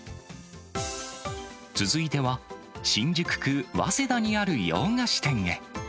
続いては、新宿区早稲田にある洋菓子店へ。